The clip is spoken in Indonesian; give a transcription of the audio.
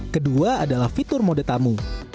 kedua adalah fitur mode tamu